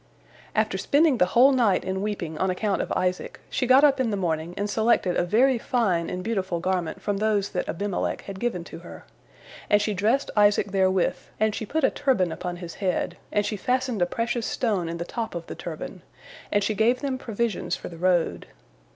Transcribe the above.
After spending the whole night in weeping on account of Isaac, she got up in the morning and selected a very fine and beautiful garment from those that Abimelech had given to her. And she dressed Isaac therewith, and she put a turban upon his head, and she fastened a precious stone in the top of the turban, and she gave them provisions for the road.